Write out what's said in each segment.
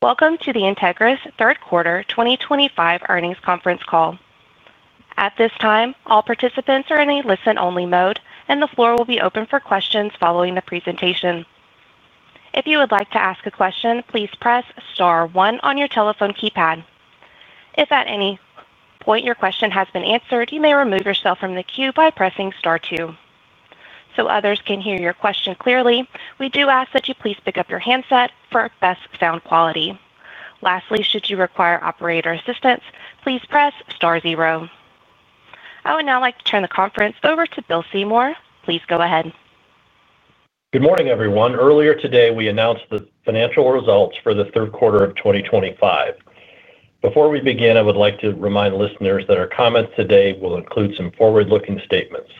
Welcome to the Entegris' third quarter 2025 earnings conference call. At this time, all participants are in a listen-only mode and the floor will be open for questions following the presentation. If you would like to ask a question, please press star one on your telephone keypad. If at any point your question has been answered, you may remove yourself from the queue by pressing star two. So others can hear your question clearly, we do ask that you please pick up your handset for best sound quality. Lastly, should you require operator assistance, please press star zero. I would now like to turn the conference over to Bill Seymour. Please go ahead. Good morning everyone. Earlier today we announced the financial results for the third quarter of 2025. Before we begin, I would like to remind listeners that our comments today will include some forward-looking statements.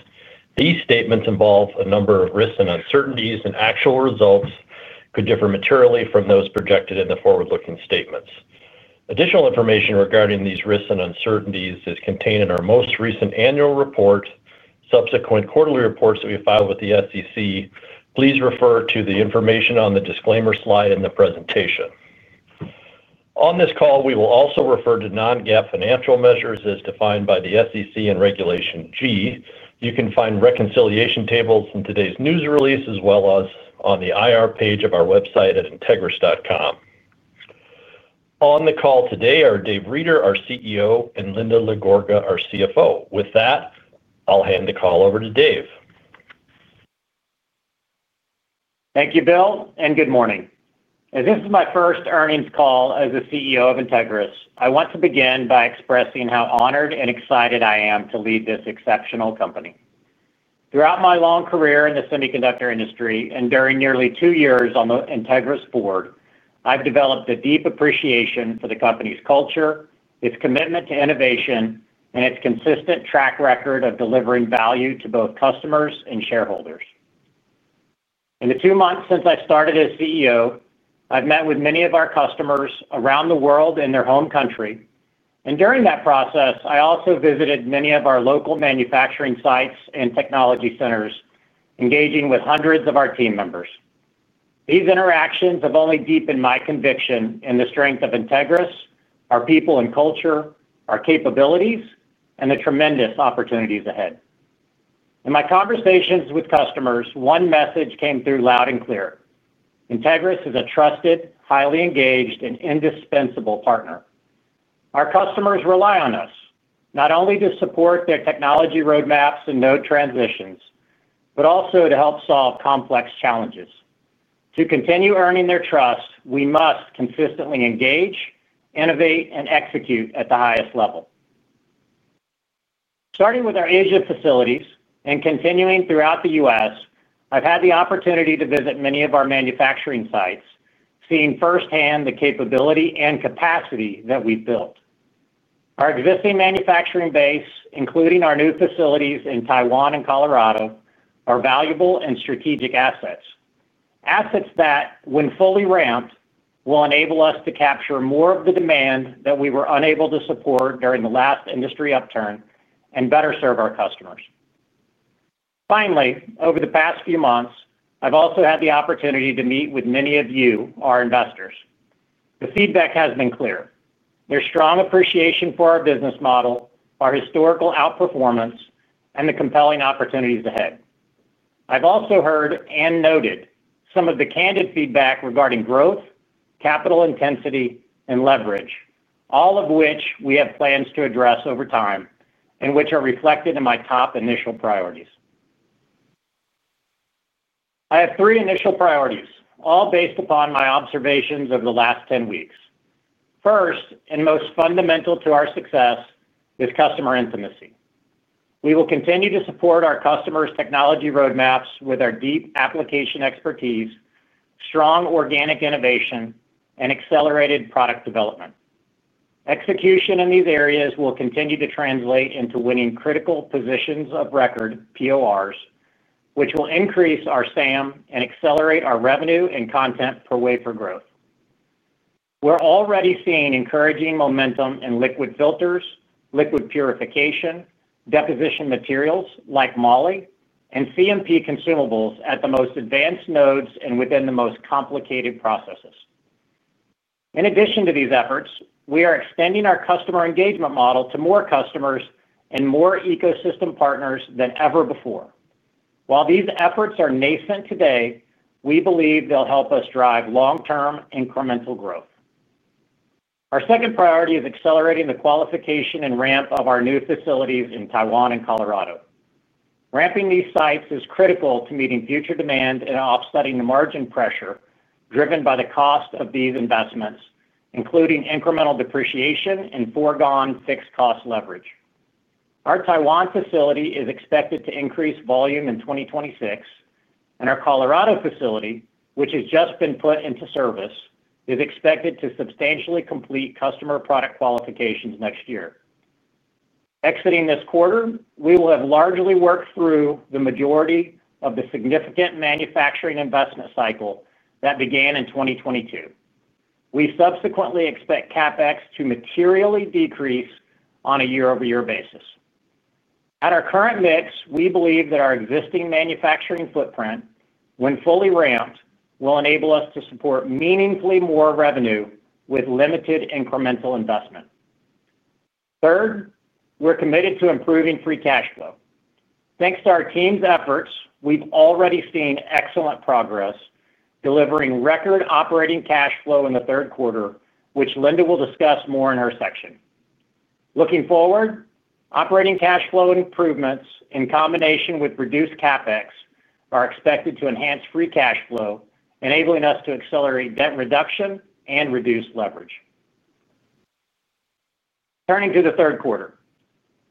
These statements involve a number of risks and uncertainties, and actual results could differ materially from those projected in the forward-looking. Additional information regarding these risks and uncertainties is contained in our most recent annual report and subsequent quarterly reports that we filed with the SEC. Please refer to the information on the disclaimer slide in the presentation. On this call we will also refer to non-GAAP financial measures as defined by the SEC and Regulation G. You can find reconciliation tables in today's news release as well as on the IR page of our website at entegris.com. On the call today are Dave Reeder, our CEO, and Linda LaGorga, our CFO. With that, I'll hand the call over to Dave. Thank you Bill and good morning. As this is my first earnings call as the CEO of Entegris, I want to begin by expressing how honored and excited I am to lead this exceptional company. Throughout my long career in the semiconductor industry and during nearly two years on the Entegris board, I've developed a deep appreciation for the company's culture, its commitment to innovation, and its consistent track record of delivering value to both customers and shareholders. In the two months since I started as CEO, I've met with many of our customers around the world in their home country, and during that process I also visited many of our local manufacturing sites and technology centers, engaging with hundreds of our team members. These interactions have only deepened my conviction in the strength of Entegris, our people and culture, our capabilities, and the tremendous opportunities ahead. In my conversations with customers, one message came through loud and clear. Entegris is a trusted, highly engaged and indispensable partner. Our customers rely on us not only to support their technology, roadmaps and node transitions, but also to help solve complex challenges. To continue earning their trust, we must consistently engage, innovate and execute at the highest level. Starting with our Asia facilities and continuing throughout the U.S. I've had the opportunity to visit many of our manufacturing sites, seeing firsthand the capability and capacity that we've built. Our existing manufacturing base, including our new facilities in Taiwan and Colorado, are valuable and strategic assets. Assets that when fully ramped, will enable us to capture more of the demand that we were unable to support during the last industry upturn and better serve our customers. Finally, over the past few months I've also had the opportunity to meet with many of you our investors. The feedback has been clear, their strong appreciation for our business model, our historical outperformance and the compelling opportunities ahead. I've also heard and noted some of the candid feedback regarding growth, capital intensity and leverage, all of which we have plans to address over time and which are reflected in my top initial priorities. I have three initial priorities, all based upon my observations over the last 10 weeks. First, and most fundamental to our success is customer intimacy. We will continue to support our customers' technology roadmaps with our deep application expertise, strong organic innovation, and accelerated product development. Execution in these areas will continue to translate into winning critical positions of record PORs, which will increase our SAM and accelerate our revenue and content per wafer growth. We're already seeing encouraging momentum in liquid filters, liquid purification, deposition materials like moly, and CMP consumables at the most advanced nodes and within the most complicated processes. In addition to these efforts, we are extending our customer engagement model to more customers and more ecosystem partners than ever before. While these efforts are nascent today, we believe they'll help us drive long-term incremental growth. Our second priority is accelerating the qualification and ramp of our new facilities in Taiwan and Colorado. Ramping these sites is critical to meeting future demand and offsetting the margin pressure driven by the cost of these investments, including incremental depreciation and foregone fixed cost leverage. Our Taiwan facility is expected to increase volume in 2026, and our Colorado facility, which has just been put into service, is expected to substantially complete customer product qualifications next year. Exiting this quarter, we will have largely worked through the majority of the significant manufacturing investment cycle that began in 2022. We subsequently expect CapEx to materially decrease on a year-over-year basis. At our current mix, we believe that our existing manufacturing footprint, when fully ramped, will enable us to support meaningfully more revenue with limited incremental investment. Third, we're committed to improving free cash flow. Thanks to our team's efforts, we've already seen excellent progress delivering record operating cash flow in the third quarter, which Linda will discuss more in her section. Looking forward, operating cash flow improvements in combination with reduced CapEx are expected to enhance free cash flow, enabling us to accelerate debt reduction and reduce leverage. Turning to the third quarter,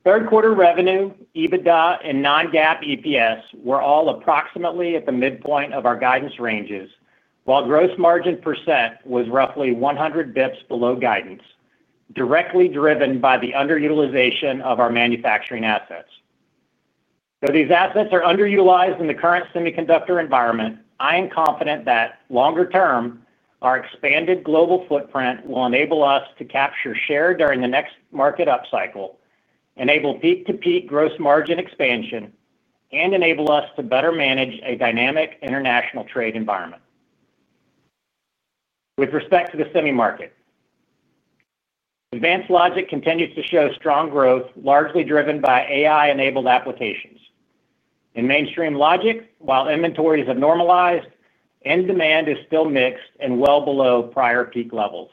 third quarter revenue, EBITDA, and non-GAAP EPS were all approximately at the midpoint of our guidance ranges, while gross margin percent was roughly 100 bps below guidance, directly driven by the underutilization of our manufacturing assets. Though these assets are underutilized in the current semiconductor environment, I am confident that longer-term our expanded global footprint will enable us to capture share during the next market upcycle, enable peak to peak gross margin expansion, and enable us to better manage a dynamic international trade environment. With respect to the semi market, advanced logic continues to show strong growth largely driven by AI-enabled applications. In mainstream logic, while inventories have normalized, end demand is still mixed and well below prior peak levels.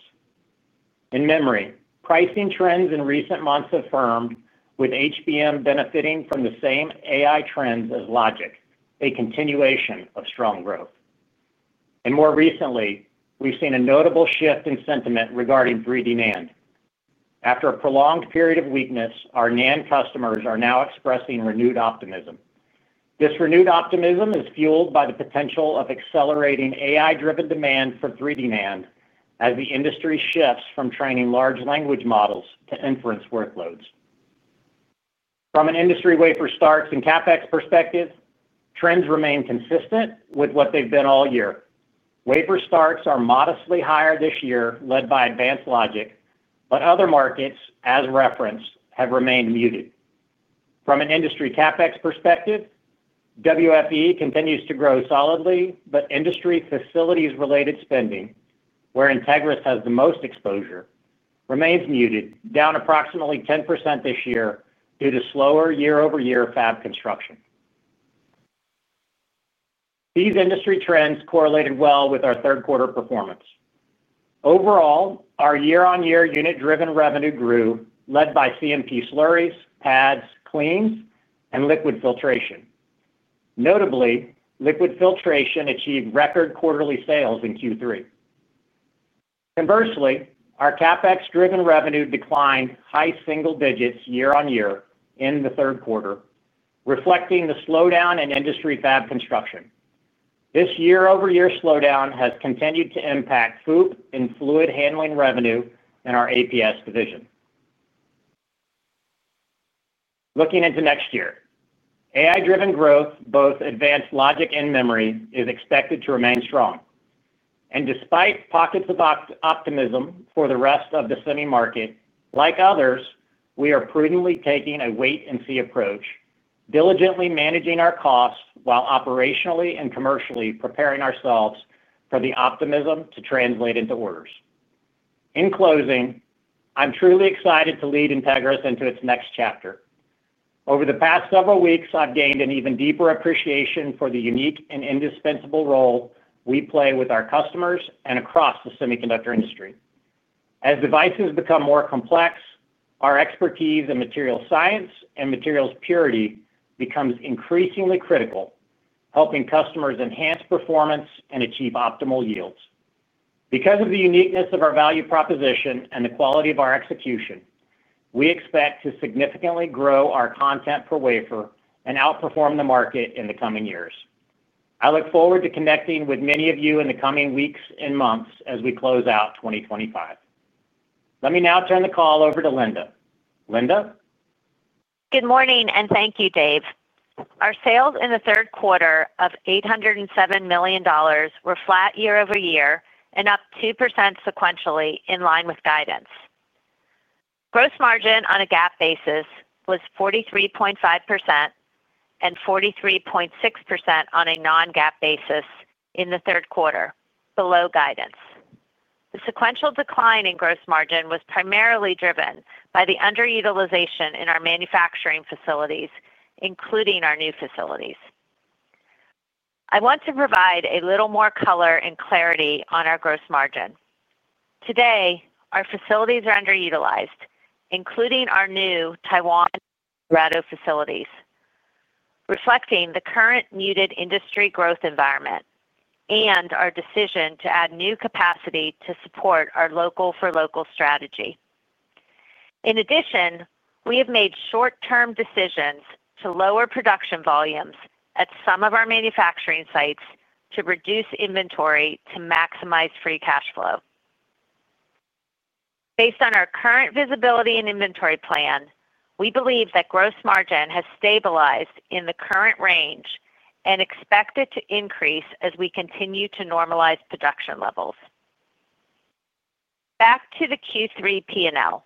In memory pricing trends in recent months affirmed with HBM benefiting from the same AI trends as logic, a continuation of strong growth, and more recently we've seen a notable shift in sentiment regarding 3D NAND. After a prolonged period of weakness, our NAND customers are now expressing renewed optimism. This renewed optimism is fueled by the potential of accelerating AI-driven demand for 3D NAND as the industry shifts from training large language models to inference workloads. From an industry wafer starts and CapEx perspective, trends remain consistent with what they've been all year. Wafer starts are modestly higher this year led by advanced logic, but other markets as referenced have remained muted. From an industry CapEx perspective, WFE continues to grow solidly, but industry facilities-related spending where Entegris has the most exposure remains muted, down approximately 10% this year due to slower year-over-year fab construction. These industry trends correlated well with our third quarter performance. Overall, our year-on-year unit-driven revenue grew, led by CMP slurries, pads, cleans, and liquid filtration. Notably, liquid filtration achieved record quarterly sales in Q3. Conversely, our CapEx-driven revenue declined high single digits year-on-year in the third quarter, reflecting the slowdown in industry fab construction. This year-over-year slowdown has continued to impact FOUP and fluid handling revenue in our APS division. Looking into next year, AI-driven growth in both advanced logic and memory is expected to remain strong, and despite pockets of optimism for the rest of the semi market, like others we are prudently taking a wait-and-see approach, diligently managing our costs while operationally and commercially preparing ourselves for the optimism to translate into orders. In closing, I'm truly excited to lead Entegris into its next chapter. Over the past several weeks, I've gained an even deeper appreciation for the unique and indispensable role we play with our customers and across the semiconductor industry. As devices become more complex, our expertise in material science and materials purity becomes increasingly critical, helping customers enhance performance and achieve optimal yields. Because of the uniqueness of our value proposition and the quality of our execution, we expect to significantly grow our content per wafer and outperform the market in the coming years. I look forward to connecting with many of you in the coming weeks and months as we close out 2025. Let me now turn the call over to Linda. Linda. Good morning and thank you, Dave. Our sales in the third quarter of $807 million were flat year-over-year and up 2% sequentially, in line with guidance. Gross margin on a GAAP basis was 43.5% and 43.6% on a non-GAAP basis in the third quarter, below guidance. The sequential decline in gross margin was primarily driven by the underutilization in our manufacturing facilities, including our new facilities. I want to provide a little more color and clarity on our gross margin. Today, our facilities are underutilized, including our new Taiwan and Colorado facilities, reflecting the current muted industry growth environment and our decision to add new capacity to support our local-for-local strategy. In addition, we have made short-term decisions to lower production volumes at some of our manufacturing sites to reduce inventory to maximize free cash flow. Based on our current visibility and inventory plan, we believe that gross margin has stabilized in the current range and expect it to increase as we continue to normalize production levels. Back to the Q3 P&L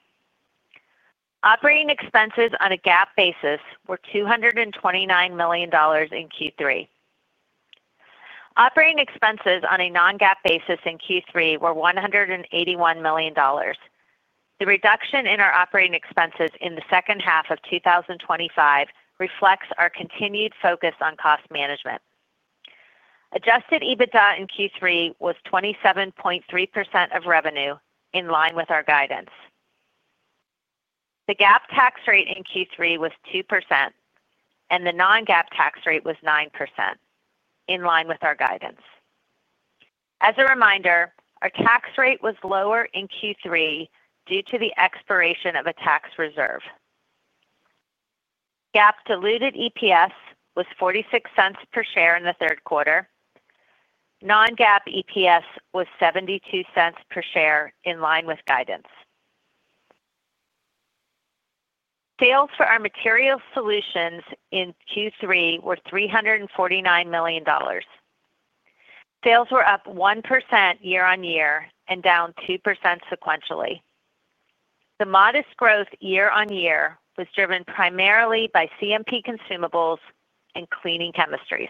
operating expenses on a GAAP basis were $229 million in Q3. Operating expenses on a non-GAAP basis in Q3 were $181 million. The reduction in our operating expenses in the second half of 2025 reflects our continued focus on cost management. Adjusted EBITDA in Q3 was 27.3% of revenue, in line with our guidance. The GAAP tax rate in Q3 was 2% and the non-GAAP tax rate was 9%, in line with our guidance. As a reminder, our tax rate was lower in Q3 due to the expiration of a tax reserve. GAAP diluted EPS was $0.46 per share in the third quarter. Non-GAAP EPS was $0.72 per share, in line with guidance. Sales for our Material Solutions in Q3 were $349 million. Sales were up 1% year-on-year and down 2% sequentially. The modest growth year on year was driven primarily by CMP consumables and cleaning chemistries.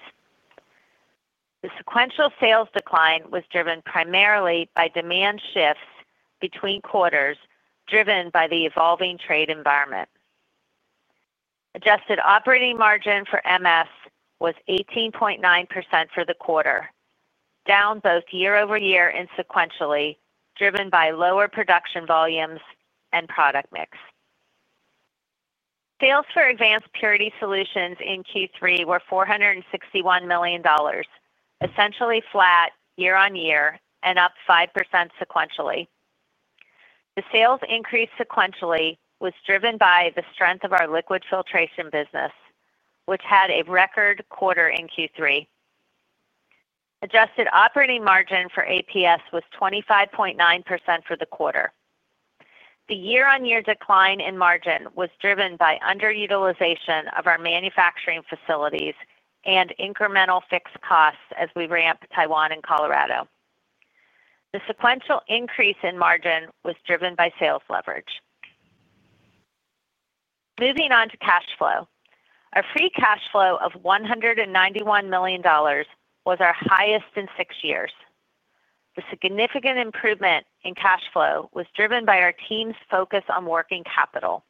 The sequential sales decline was driven primarily by demand shifts between quarters driven by the evolving trade environment. Adjusted operating margin for MS was 18.9% for the quarter, down both year-over-year and sequentially, driven by lower production volumes and product mix. Sales for Advanced Purity Solutions in Q3 were $461 million, essentially flat year-on-year and up 5% sequentially. The sales increase sequentially was driven by the strength of our liquid filtration business, which had a record quarter in Q3. Adjusted operating margin for APS was 25.9% for the quarter. The year-on-year decline in margin was driven by underutilization of our manufacturing facilities and incremental fixed costs as we ramp Taiwan and Colorado. The sequential increase in margin was driven by sales leverage. Moving on to cash flow, our free cash flow of $191 million was our highest in six years. The significant improvement in cash flow was driven by our team's focus on working capital,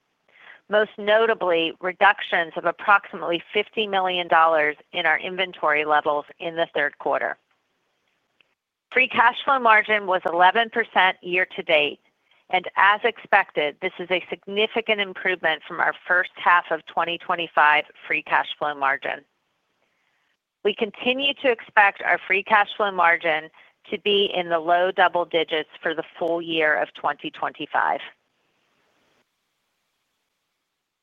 most notably reductions of approximately $50 million in our inventory levels in the third quarter. Free cash flow margin was 11% year-to-date, and as expected, this is a significant improvement from our first half of 2025 free cash flow margin. We continue to expect our free cash flow margin to be in the low double digits for the full year of 2025.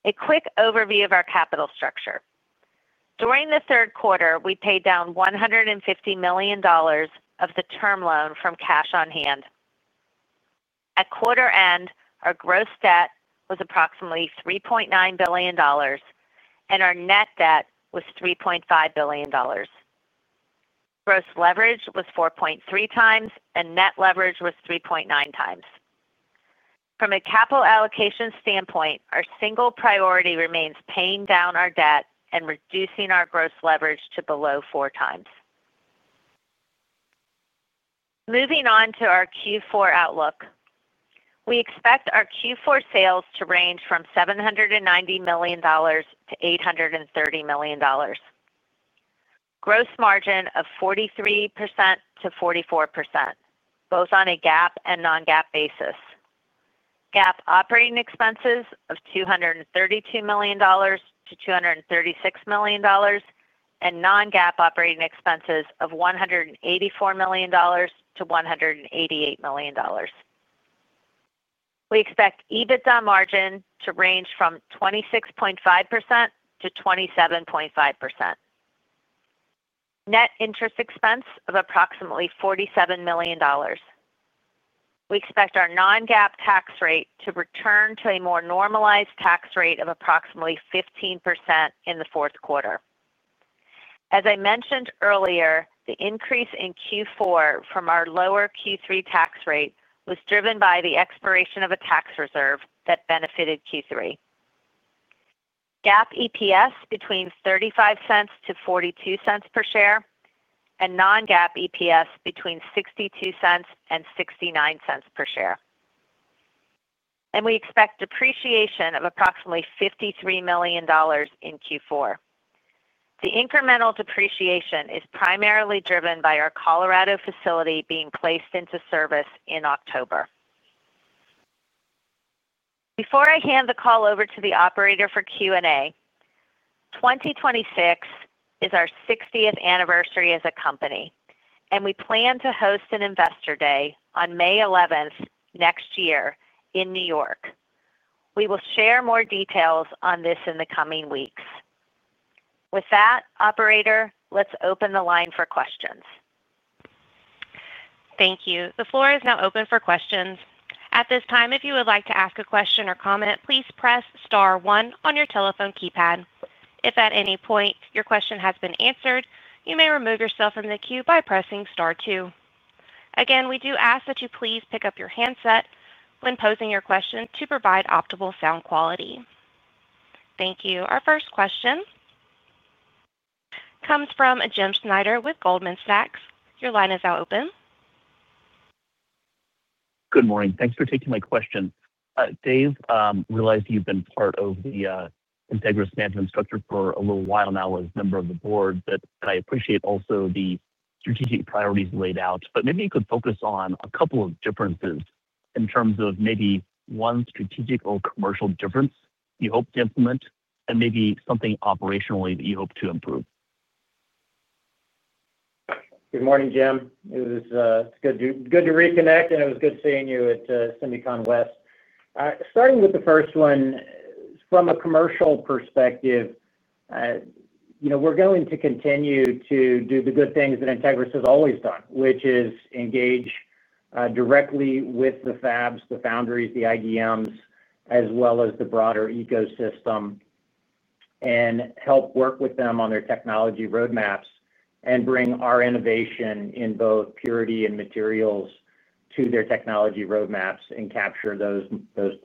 A quick overview of our capital structure: during the third quarter, we paid down $150 million of the term loan from cash on hand. At quarter end, our gross debt was approximately $3.9 billion and our net debt was $3.5 billion. Gross leverage was 4.3x and net leverage was 3.9x. From a capital allocation standpoint, our single priority remains paying down our debt and reducing our gross leverage to below 4x. Moving on to our Q4 outlook, we expect our Q4 sales to range from $790 million-$830 million, gross margin of 43%-44%, both on a GAAP and non-GAAP basis, GAAP operating expenses of $232 million-$236 million, and non-GAAP operating expenses of $184 million-$188 million. We expect EBITDA margin to range from 26.5%-27.5%. Net interest expense of approximately $47 million. We expect our non-GAAP tax rate to return to a more normalized tax rate of approximately 15% in the fourth quarter. As I mentioned earlier, the increase in Q4 from our lower Q3 tax rate was driven by the expiration of a tax reserve that benefited Q3. GAAP EPS between $0.35-$0.42 per share and non-GAAP EPS between $0.62 and $0.69 per share, and we expect depreciation of approximately $53 million in Q4. The incremental depreciation is primarily driven by our Colorado facility being placed into service in October. Before I hand the call over to the operator for Q&A, 2026 is our 60th anniversary as a company and we plan to host an Investor Day on May 11th next year in New York. We will share more details on this in the coming weeks. With that, operator, let's open the line for questions. Thank you. The floor is now open for questions. At this time, if you would like to ask a question or comment, please press star one on your telephone keypad. If at any point your question has been answered, you may remove yourself from the queue by pressing star two. Again, we do ask that you please pick up your handset when posing your question to provide optimal sound quality. Thank you. Our first question comes from Jim Schneider with Goldman Sachs. Your line is now open. Good morning. Thanks for taking my question, Dave. Realize you've been part of the Entegris structure for a little while now as member of the board, but I appreciate also the strategic priorities laid out. Maybe you could focus on a couple of differences in terms of maybe one strategic or commercial difference you hope to implement and maybe something operationally that you hope to improve. Good morning, Jim. It was good to reconnect and it was good seeing you at Semicon West. Starting with the first one from a commercial perspective, we're going to continue to do the good things that Entegris has always done, which is engage directly with the fabs, the foundries, the IDMs as well as the broader ecosystem and help work with them on their technology roadmaps and bring our innovation in both purity and materials to their technology roadmaps and capture those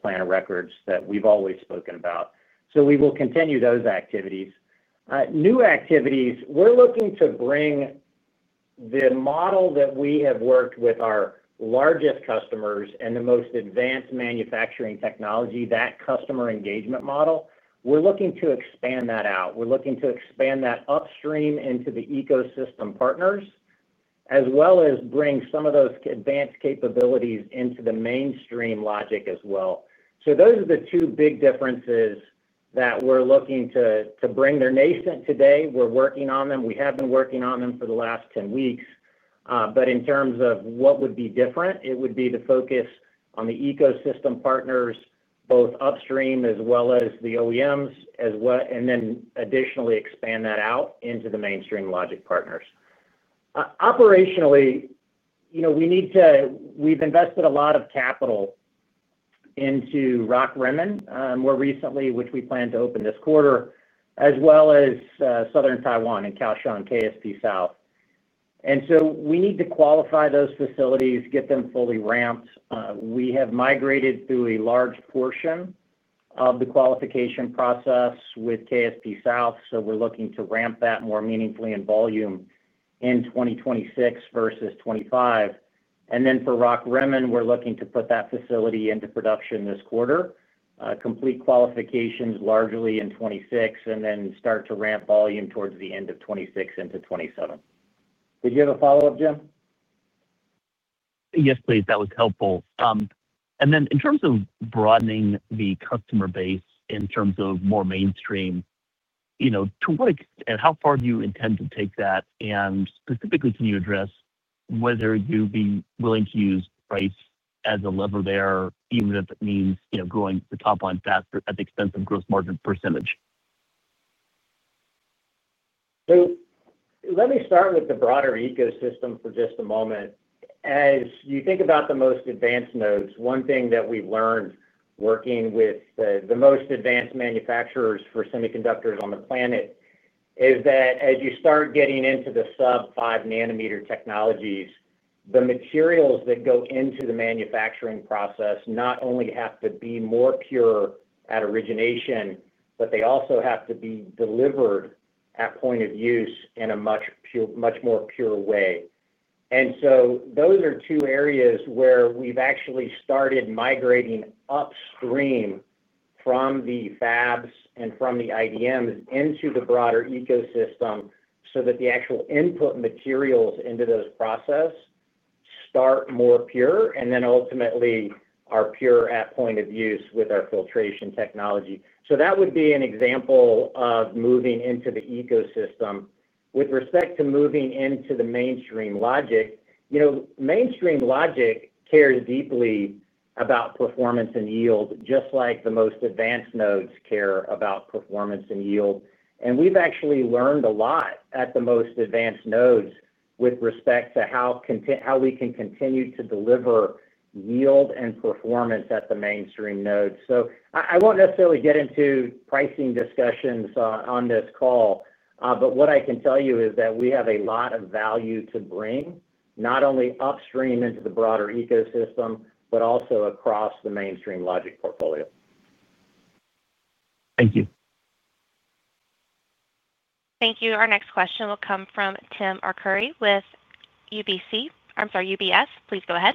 plan records that we've always spoken about. We will continue those activities. New activities, we're looking to bring the model that we have worked with our largest customers and the most advanced manufacturing technology, that customer engagement model. We're looking to expand that out, we're looking to expand that upstream into the ecosystem partners as well as bring some of those advanced capabilities into the mainstream logic as well. Those are the two big differences that we're looking to bring. They're nascent today. We're working on them, we have been working on them for the last 10 weeks. In terms of what would be different, it would be the focus on the ecosystem partners both upstream as well as the OEMs, and then additionally expand that out into the mainstream logic partners. Operationally, we've invested a lot of capital into Rock Rimmon more recently, which we plan to open this quarter, as well as Southern Taiwan and Kaohsiung, KSP South. We need to qualify those facilities, get them fully ramped. We have migrated through a large portion of the qualification process with KSP South, so we're looking to ramp that more meaningfully in volume in 2026 versus 2025. For Rock Rimmon, we're looking to put that facility into production this quarter, complete qualifications largely in 2026, and then start to ramp volume towards the end of 2026 into 2027. Did you have a follow up, Jim? Yes, please, that was helpful. In terms of broadening the customer base in terms of more mainstream, to what extent, how far do you intend to take that? Specifically, can you address whether you'd be willing to use price as a lever there, even if it means growing the top line faster at the expense of gross margin percentage? Let me start with the broader ecosystem for just a moment. As you think about the most advanced nodes, one thing that we've learned working with the most advanced manufacturers for semiconductors on the planet is that as you start getting into the sub 5 nanometer technologies, the materials that go into the manufacturing process not only have to be more pure at origination, but they also have to be delivered at point of use in a much more pure way. Those are two areas where we've actually started migrating upstream from the fabs and from the IDMs into the broader ecosystem so that the actual input materials into those processes start more pure and ultimately are pure at point of use with our filtration technology. That would be an example of moving into the ecosystem with respect to moving into the mainstream logic. Mainstream logic cares deeply about performance and yield, just like the most advanced nodes care about performance and yield. We've actually learned a lot at the most advanced nodes with respect to how content, how we can continue to deliver yield and performance at the mainstream nodes. I won't necessarily get into pricing discussions on this call. What I can tell you is that we have a lot of value to bring not only upstream into the broader ecosystem, but also across the mainstream logic portfolio. Thank you. Thank you. Our next question will come from Tim Arcuri with UBS. I'm sorry, UBS, please go ahead.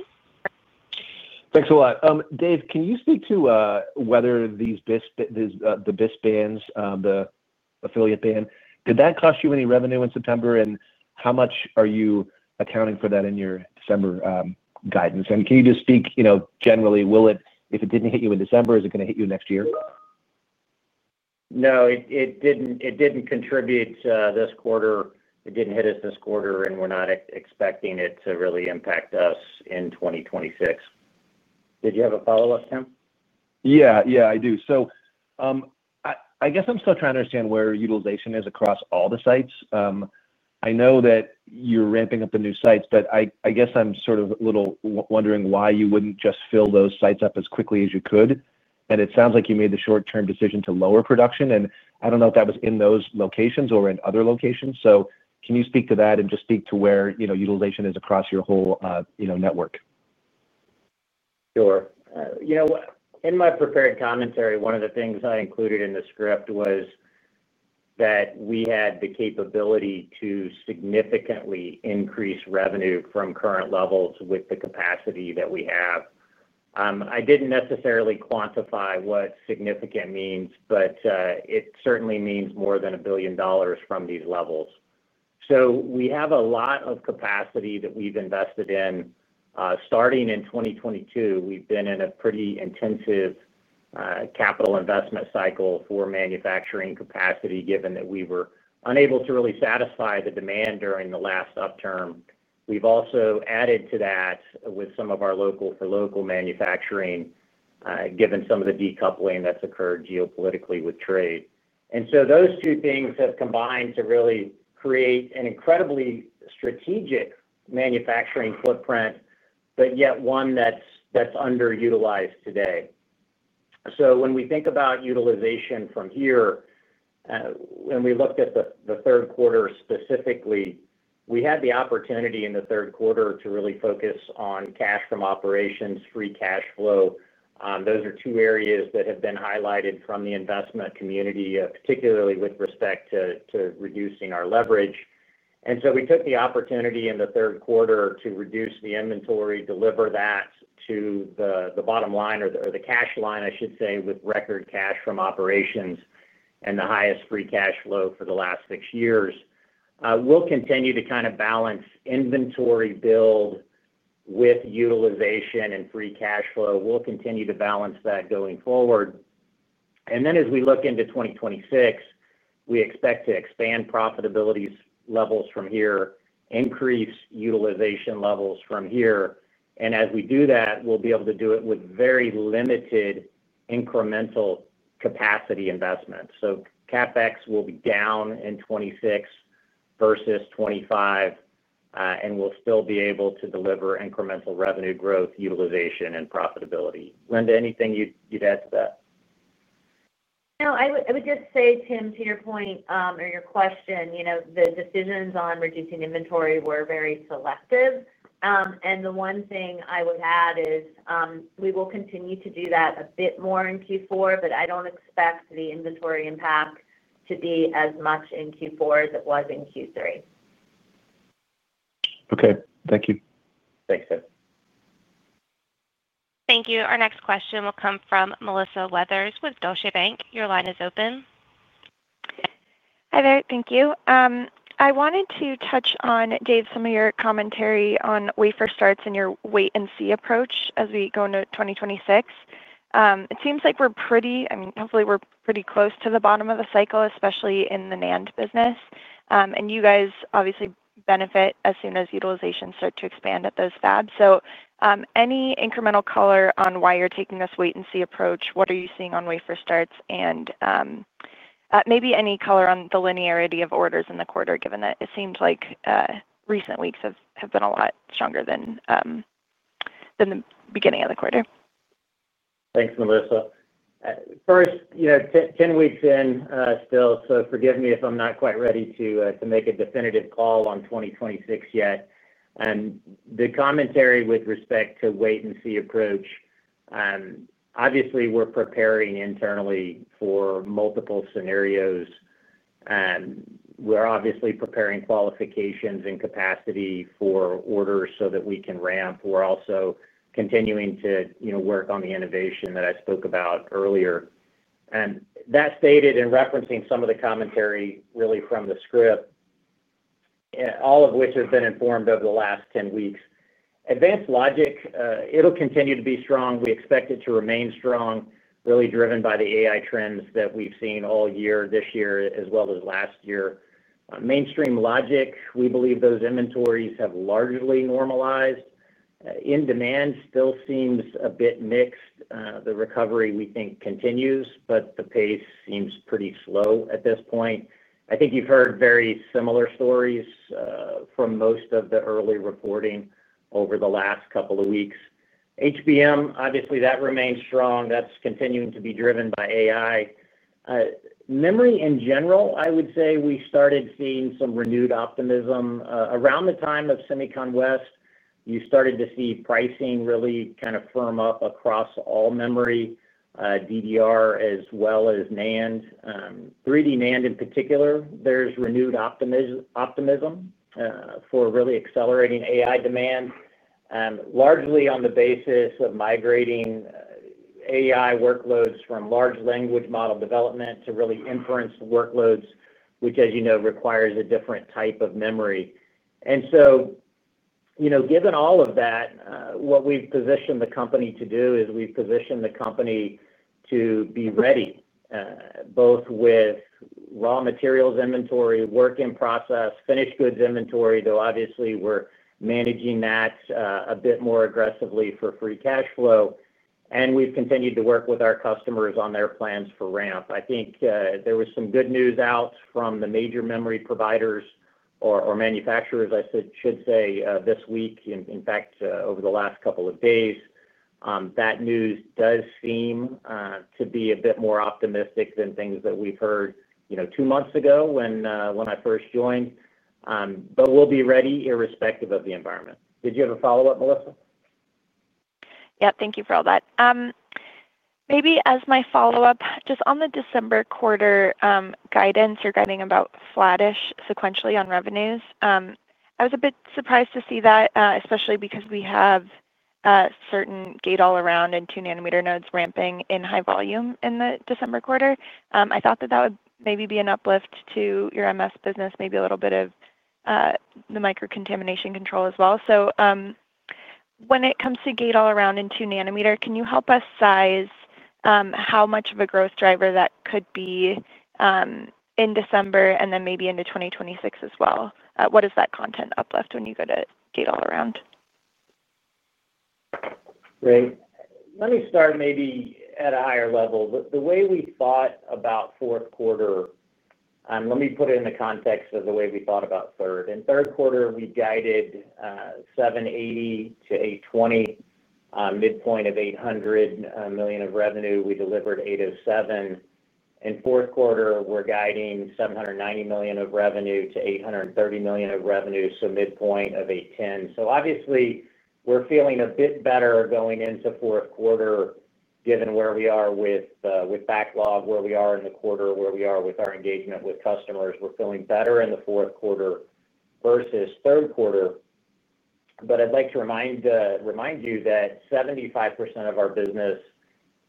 Thanks a lot. Dave, can you speak to whether these BIS, the BIS bands, the affiliate band, could that cost you any revenue in September, and how much are you accounting for that in your December guidance? Can you just speak, you know, generally, will it, if it didn't hit you in December, is it going to hit you next year? No, it didn't. It didn't contribute this quarter. It didn't hit us this quarter, and we're not expecting it to really impact us in 2026. Did you have a follow up, Tim? Yeah, I do. I guess I'm still trying to understand where utilization is across all the sites. I know that you're ramping up the new sites, but I'm sort of a little wondering why you wouldn't just fill those sites up as quickly as you could. It sounds like you made the short-term decision to lower production. I don't know if that was in those locations or in other locations. Can you speak to that and just speak to where utilization is across your whole network? Sure. In my prepared commentary, one of the things I included in the script was that we had the capability to significantly increase revenue from current levels with the capacity that we have. I didn't necessarily quantify what significant means, but it certainly means more than $1 billion from these levels. We have a lot of capacity that we've invested in starting in 2022. We've been in a pretty intensive capital investment cycle for manufacturing capacity, given that we were unable to really satisfy the demand during the last upturn. We've also added to that with some of our local-for-local manufacturing, given some of the decoupling that's occurred geopolitically with trade. Those two things have combined to really create an incredibly strategic manufacturing footprint, but yet one that's underutilized today. When we think about utilization from here, when we looked at the third quarter specifically, we had the opportunity in the third quarter to really focus on cash from operations, free cash flow. Those are two areas that have been highlighted from the investment community, particularly with respect to reducing our leverage. We took the opportunity in the third quarter to reduce the inventory, deliver that to the bottom line or the cash line, I should say, with record cash from operations and the highest free cash flow for the last six years. We'll continue to kind of balance inventory build with utilization and free cash flow. We'll continue to balance that going forward. As we look into 2026, we expect to expand profitability levels from here, increase utilization levels from here, and as we do that, we'll be able to do it with very limited incremental capacity investment. CapEx will be down in 2026 versus 2025 and we'll still be able to deliver incremental revenue growth, utilization, and profitability. Linda, anything you'd add to that? No, I would just say, Tim, to your point or your question, the decisions on reducing inventory were very selective, and the one thing I would add is we will continue to do that a bit more in Q4, but I don't expect the inventory impact to be as much in Q4 as it was in Q3. Okay, thank you. Thanks Tim. Thank you. Our next question will come from Melissa Weathers with Deutsche Bank. Your line is open. Hi there. Thank you. I wanted to touch on, Dave, some of your commentary on wafer starts and your wait and see approach as we go into 2026. It seems like we're pretty, I mean, hopefully we're pretty close to the bottom of the cycle, especially in the NAND business. You guys obviously benefit as soon as utilization starts to expand at those fabs. Any incremental color on why you're taking this wait and see approach? What are you seeing on wafer starts and maybe any color on the linearity of orders in the quarter, given that it seems like recent weeks have been a lot stronger than the beginning of the quarter. Thanks, Melissa. First, you know, 10 weeks in still, so forgive me if I'm not quite ready to make a definitive call on 2026 yet. The commentary with respect to wait and see approach, obviously we're preparing internally for multiple scenarios and we're obviously preparing qualifications and capacity for orders so that we can ramp. We're also continuing to work on the innovation that I spoke about earlier and that stated in referencing some of the commentary really from the script, all of which have been informed over the last 10 weeks. Advanced logic. It'll continue to be strong. We expect it to remain strong, really driven by the AI trends that we've seen all year, this year as well as last year. Mainstream logic, we believe those inventories have largely normalized in demand. Still seems a bit mixed. The recovery we think continues, but the pace seems pretty slow at this point. I think you've heard very similar stories from most of the early reporting over the last couple of weeks. HBM, obviously that remains strong. That's continuing to be driven by AI. Memory in general, I would say we started seeing some renewed optimism around the time of Semicon West. You started to see pricing really kind of firm up across all memory DDR as well as NAND. 3D NAND in particular, there's renewed optimism for really accelerating AI demand largely on the basis of migrating AI workloads from large language model development to really inference workloads, which as you know requires a different type of memory. Given all of that, what we've positioned the company to do is we've positioned the company to be ready both with raw materials inventory, work in process, finished goods inventory. Though obviously we're managing that a bit more aggressively for free cash flow and we've continued to work with our customers on their plans for ramp. I think there was some good news out from the major memory providers or manufacturers I should say this week. In fact, over the last couple of days that news does seem to be a bit more optimistic than things that we've heard two months ago when I first joined. We'll be ready irrespective of the environment. Did you have a follow up, Melissa? Yeah. Thank you for all that. Maybe as my follow up, just on the December quarter guidance you're guiding about flattish sequentially on revenues. I was a bit surprised to see that, especially because we have certain gate-all-around and 2 nm nodes ramping in high volume in the December quarter. I thought that that would maybe be an uplift to your Material Solutions business, maybe a little bit of the micro contamination control as well. When it comes to gate-all-around in 2 nm, can you help us size how much of a growth driver that could be in December and then maybe into 2026 as well? What is that content uplift when you go to gate-all-around? Great. Let me start maybe at a higher level. The way we thought about fourth quarter, let me put it in the context of the way we thought about third. In third quarter we guided $780 million-$820 million, midpoint of $800 million of revenue. We delivered $807 million. In fourth quarter we're guiding $790 million of revenue to $830 million of revenue, so midpoint of $810 million. Obviously we're feeling a bit better going into fourth quarter given where we are with backlog, where we are in the quarter, where we are with our engagement with customers. We're feeling better in the fourth quarter versus third quarter. I'd like to remind you that 75% of our business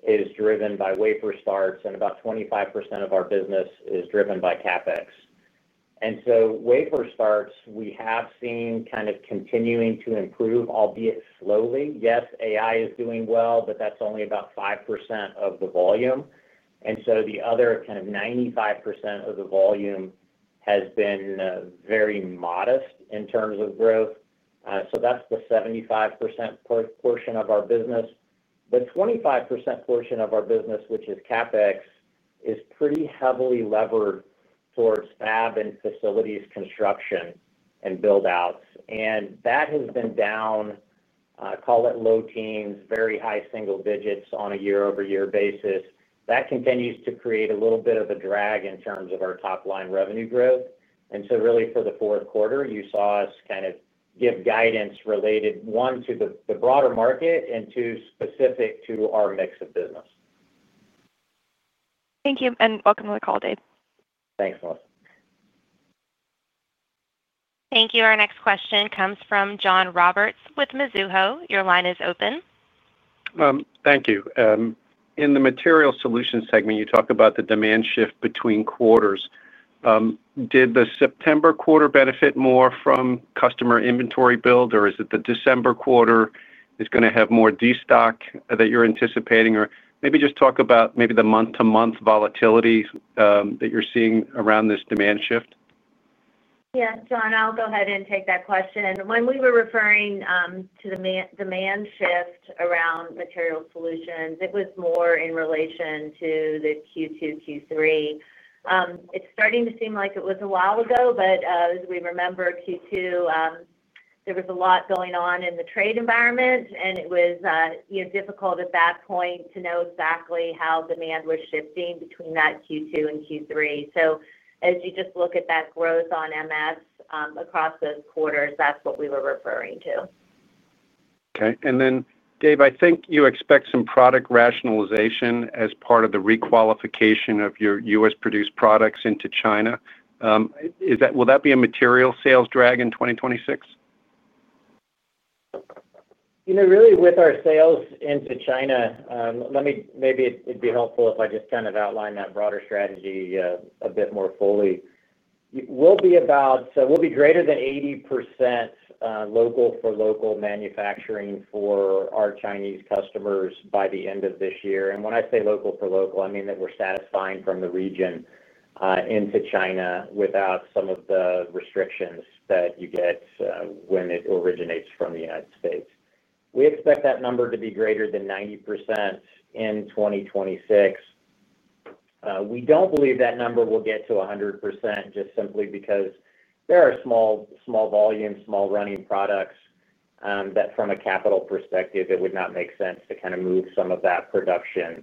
is driven by wafer starts and about 25% of our business is driven by CapEx. Wafer starts we have seen kind of continuing to improve, albeit slowly. Yes, AI is doing well, but that's only about 5% of the volume. The other 95% of the volume has been very modest in terms of growth. That's the 75% portion of our business. The 25% portion of our business, which is CapEx, is pretty heavily levered towards fab and facilities construction build outs and that has been down, call it low teens, very high single digits on a year-over-year basis. That continues to create a little bit of a drag in terms of our top line revenue growth. Really for the fourth quarter you saw us kind of give guidance related, one, to the broader market and, two, specific to our mix of business. Thank you and welcome to the call, Dave. Thanks Melissa. Thank you. Our next question comes from John Roberts with Mizuho. Your line is open. Thank you. In the Material Solutions segment, you talk about the demand shift between quarters. Did the September quarter benefit more from customer inventory build, or is it the December quarter is going to have more destock that you're anticipating, or maybe just talk about maybe the month-to-month volatility that you're seeing around this demand shift. Yes, John, I'll go ahead and take that question. When we were referring to the demand shift around Material Solutions, it was more in relation to the Q2, Q3. It's starting to seem like it was a while ago. As we remember Q2, there was a lot going on in the trade environment, and it was difficult at that point to know exactly how demand was shifting between that Q2 and Q3. As you just look at that growth on MS across those quarters, that's what we were referring to. Okay. Dave, I think you expect some product rationalization as part of the requalification of your U.S. produced products into China. Will that be a material sales drag in 2026? You know, really with our sales into China? Maybe it'd be helpful if I just kind of outline that broader strategy a bit more fully. We'll be greater than 80% local-for-local manufacturing for our Chinese customers by the end of this year. When I say local-for-local, I mean that we're satisfying from the region into China without some of the restrictions that you get when it originates from the United States. We expect that number to be greater than 90% in 2026. We don't believe that number will get to 100% just simply because there are small, small volume, small running products that from a capital perspective, it would not make sense to kind of move some of that production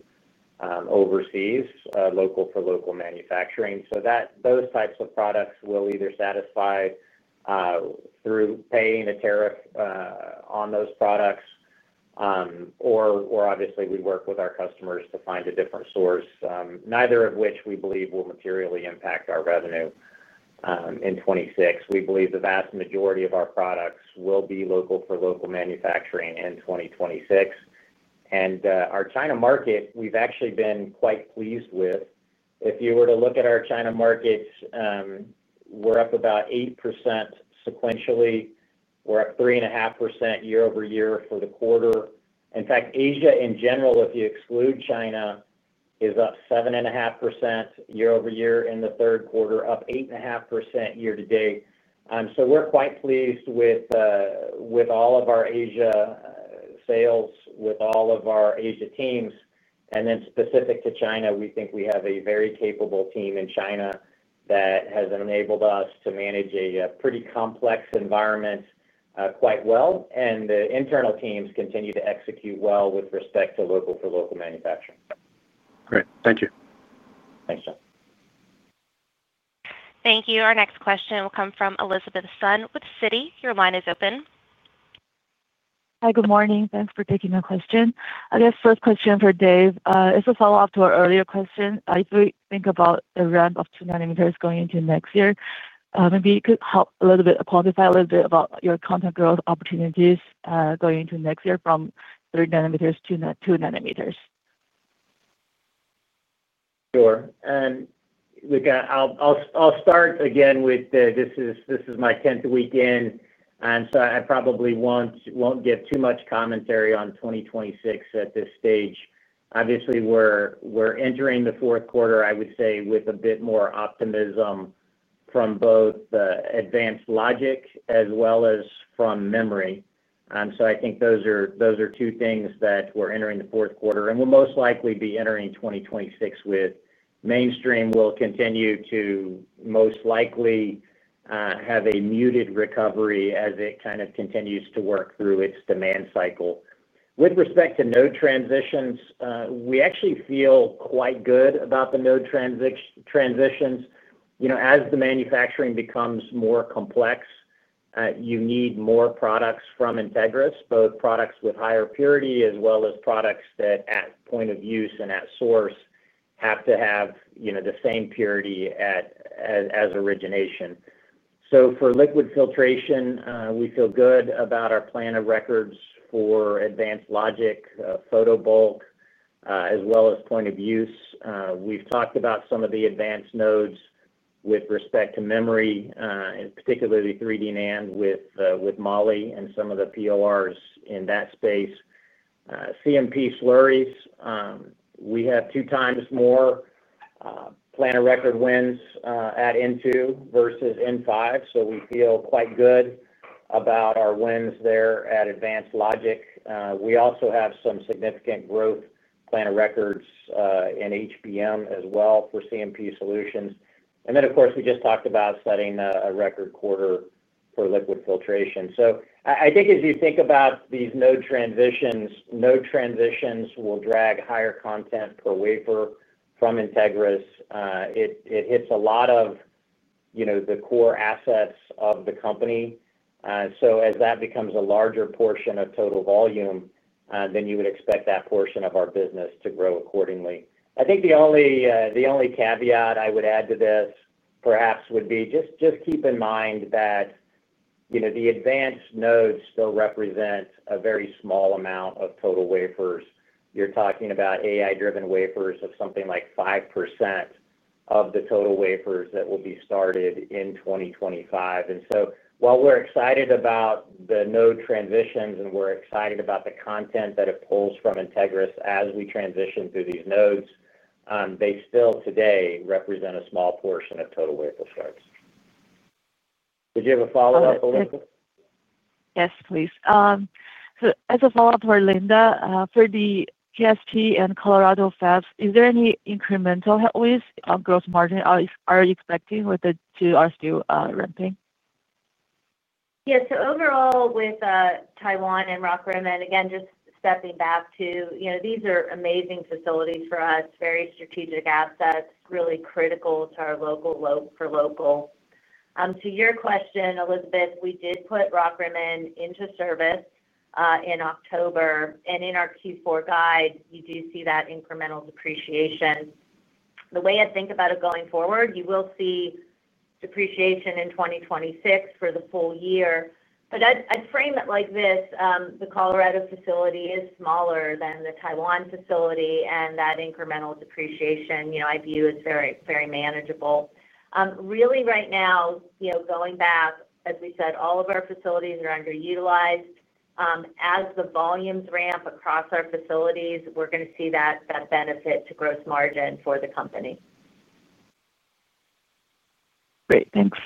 overseas, local-for-local manufacturing, so those types of products will either satisfy through paying a tariff on those products or obviously we work with our customers to find a different source, neither of which we believe will materially impact our revenue in 2026. We believe the vast majority of our products will be local-for-local manufacturing in 2026. Our China market we've actually been quite pleased with. If you were to look at our China markets, we're up about 8% sequentially. We're up 3.5% year-over-year for the quarter. In fact, Asia in general, if you exclude China, is up 7.5% year-over-year in the third quarter, up 8.5% year-to-date. We're quite pleased with all of our Asia sales, with all of our Asia teams. Specific to China, we think we have a very capable team in China that has enabled us to manage a pretty complex environment quite well. The internal teams continue to execute well with respect to local-for-local manufacturing. Great, thank you. Thanks, John. Thank you. Our next question will come from Elizabeth Sun with Citi. Your line is open. Hi, good morning. Thanks for taking the question. First question for Dave, as a follow up to our earlier question, I think about the ramp of 2 nm going into next year. Maybe you could help a little bit quantify a little bit about your content growth opportunities going into next year from 3 nm, 2 nm. Sure. I'll start again with this is my 10th week in and so I probably won't get too much commentary on 2026 at this stage. Obviously we're entering the fourth quarter, I would say with a bit more optimism from both advanced logic as well as from memory. I think those are two things that we're entering the fourth quarter and will most likely be entering 2026 with. Mainstream will continue to most likely have a muted recovery as it kind of continues to work through its demand cycle. With respect to node transitions, we actually feel quite good about the node transitions. You know, as the manufacturing becomes more complex, you need more products from Entegris, both products with higher purity as well as products that at point of use and at source have to have the same purity as origination. For liquid filtration we feel good about our plan of records for advanced logic, photo bulk as well as point of use. We've talked about some of the advanced nodes with respect to memory, particularly 3D NAND with Molly and some of the PORs in that space, CMP slurries, we have 2x more plan of record wins at N2 versus N5 so we feel quite good about our wins there at advanced logic. We also have some significant growth plan of records in HBM as well for CMP solutions. Of course we just talked about setting a record quarter for liquid filtration. I think as you think about these node transitions, node transitions will drag higher content per wafer from Entegris. It hits a lot of the core assets of the company. As that becomes a larger portion of total volume then you would expect that portion of our business to grow accordingly. I think the only caveat I would add to this perhaps would be just keep in mind that the advanced nodes still represent a very small amount of total wafers. You're talking about AI-driven wafers of something like 5% of the total wafers that will be started in 2025. While we're excited about the node transitions and we're excited about the content that it pulls from Entegris as we transition through these nodes, they still today represent a small portion of total wafer starts. Did you have a follow up? Yes, please. As a follow-up for Linda, for the KSP and Colorado fabs, is there any incremental headway in gross margin you are expecting with the two ramp-up? Yes. Overall, with Taiwan and Rock Rimmon, and again just stepping back, these are amazing facilities for us, very strategic assets. Really critical to our local-for-local. To your question, Elizabeth, we did put Rock Rimmon into service in October, and in our Q4 guide you do see that incremental depreciation. The way I think about it going forward, you will see depreciation in 2026 for the full year. I'd frame it like this: the Colorado facility is smaller than the Taiwan facility, and that incremental depreciation I view as very manageable. Really, right now, going back, as we said, all of our facilities are underutilized. As the volumes ramp across our facilities, we're going to see that benefit to gross margin for the company. Great, thanks.